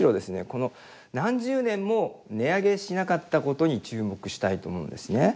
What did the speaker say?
この何十年も値上げしなかったことに注目したいと思うんですね。